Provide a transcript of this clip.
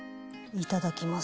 いただきます。